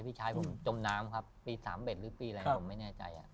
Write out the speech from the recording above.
พี่ชายผมจมน้ำครับปี๓๑หรือปีอะไรผมไม่แน่ใจ